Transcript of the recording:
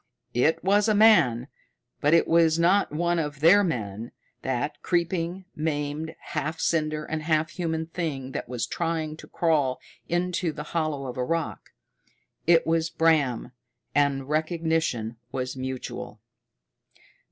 It was a man, but it was not one of their men, that creeping, maimed, half cinder and half human thing that was trying to crawl into the hollow of a rock. It was Bram, and recognition was mutual.